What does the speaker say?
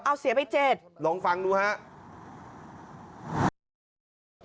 เอาเสียไปเจ็ดลองฟังดูครับ